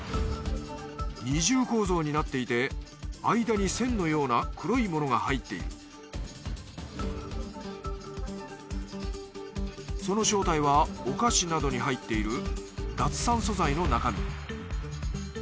二重構造になっていて間に線のような黒いものが入っているその正体はお菓子などに入っている脱酸素剤の中身。